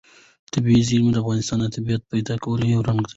طبیعي زیرمې د افغانستان د طبیعي پدیدو یو رنګ دی.